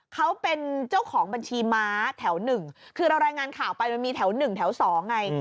เขาเป็นเจ้าของบัญชีม้าแถวหนึ่งคือเรารายงานข่าวไปมันมีแถวหนึ่งแถว๒ไง